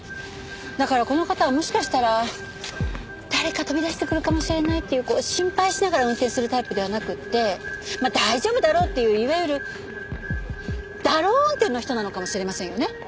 だからこの方はもしかしたら誰か飛び出してくるかもしれないっていうこう心配しながら運転するタイプではなくってまあ大丈夫だろうっていういわゆる「だろう運転」の人なのかもしれませんよね。